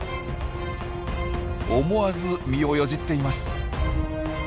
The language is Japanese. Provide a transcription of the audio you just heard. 思わず身をよじっています。